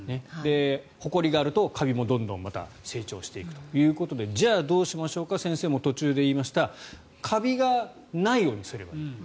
ほこりがあると、カビもどんどん成長していくということでじゃあ、どうしましょうか先生も途中で言いましたカビがないようにすればいい。